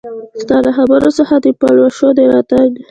ستا د خبرو څخه د پلوشو د راتګ